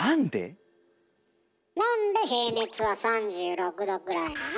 なんで平熱は３６℃ぐらいなの？